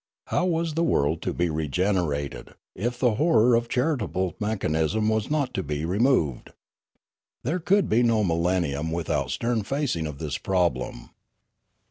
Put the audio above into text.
How was the world to be regenerated, if the horror of charitable mechanism was not to be removed ? Noola 405 There could be no millennium without stern facing of this problem.